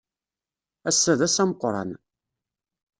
Ass-a d ass ameqran.